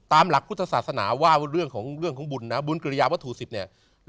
ตามหลักพุทธศาสนาว่าเรื่องของเรื่องของบุญนะบุญกริยาวทูศิษย์เนี่ย